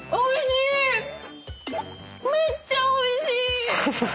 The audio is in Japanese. めっちゃおいしい！